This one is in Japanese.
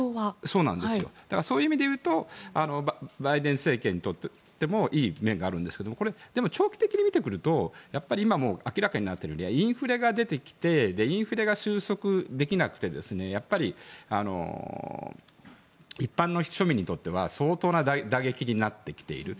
だから、そういう意味でいうとバイデン政権にとってもいい面があるんですけど長期的に見てくるとやっぱり今明らかになっているようにインフレが出てきてインフレが収束できなくて一般の庶民にとっては相当な打撃になってきている。